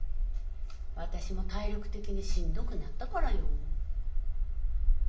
私も体力的にしんどくなったからよ。